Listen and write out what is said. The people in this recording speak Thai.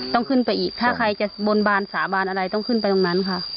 ต้องขึ้นไปอีกถ้าใครจะบนบานสาบานอะไรต้องขึ้นไปตรงนั้นค่ะ